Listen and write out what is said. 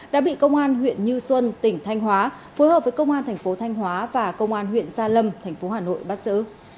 đã bị công an huyện như xuân tỉnh thanh hóa phối hợp với công an thành phố thanh hóa và công an huyện gia lâm thành phố hà nội bắt xử